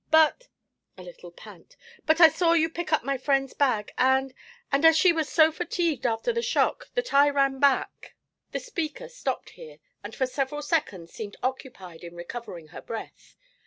But' a little pant 'but I saw you pick up my friend's bag, and and she was so fatigued after the shock that I ran back.' The speaker stopped here, and for several seconds seemed occupied in recovering her breath.